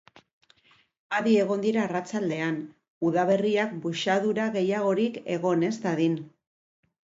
Adi egon dira arratsaldean, udalerrian buxadura gehiagorik egon ez dadin.